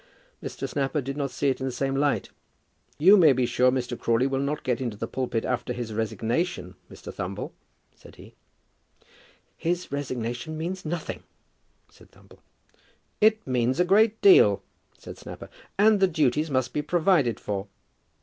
Mr. Snapper did not see it in the same light. "You may be sure Mr. Crawley will not get into the pulpit after his resignation, Mr. Thumble," said he. "His resignation means nothing," said Thumble. "It means a great deal," said Snapper; "and the duties must be provided for."